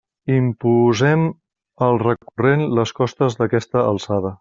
Imposem al recurrent les costes d'aquesta alçada.